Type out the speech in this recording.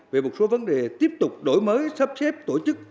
về một số vấn đề tiếp tục đổi mới sắp xếp tổ chức